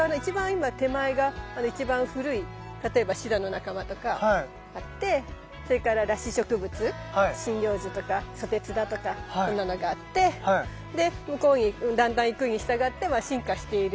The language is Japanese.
今手前が一番古い例えばシダの仲間とかあってそれから裸子植物針葉樹とかソテツだとかそんなのがあってで向こうにだんだん行くに従って進化している。